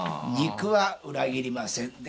肉は裏切りません。